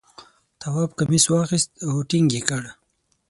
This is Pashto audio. تواب کمیس واخیست او ټینګ یې کړ.